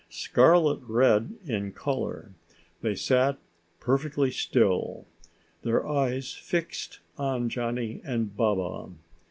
Scarlet red in color, they sat perfectly still, their eyes fixed on Johnny and Baba.